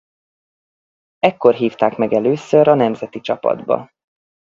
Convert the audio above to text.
Ekkor hívták meg először a nemzeti csapatba.